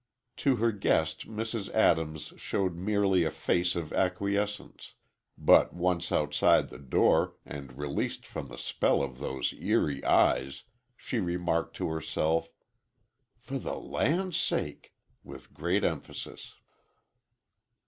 To her guest Mrs. Adams showed merely a face of acquiescence, but once outside the door, and released from the spell of those eerie eyes, she remarked to herself, "For the land sake!" with great emphasis.